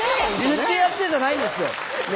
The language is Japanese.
「言ってやって」じゃないんですよ